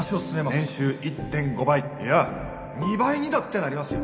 年収 １．５ 倍いや２倍にだってなりますよ